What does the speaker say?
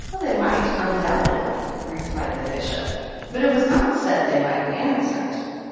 " They might, undoubtedly," replied the Bishop; " but it was not said they might be answered.